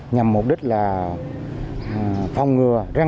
nhằm mục đích là phong ngừa